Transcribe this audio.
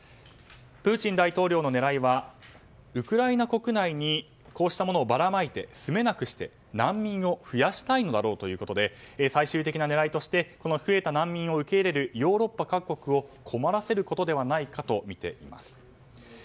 プーチン大統領の狙いはウクライナ国内にこうしたものをばらまいて住めなくして、難民を増やしたいのだろうということで最終的な狙いとして増えた難民を受け入れるヨーロッパ各国を困らせることではないかとみています。